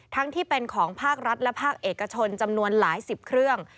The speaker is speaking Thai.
ที่เป็นของภาครัฐและภาคเอกชนจำนวนหลายสิบเครื่อง